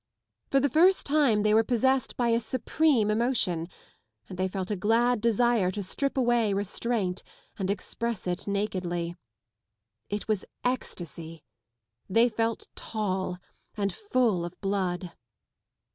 For the first time they were possessed by a supreme emotion and they felt a glad desire to strip away, restraint and express it nakedly. It was ecstasy ; they felt tall and full of blood.